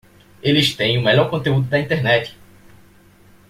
Eles têm o melhor conteúdo da internet!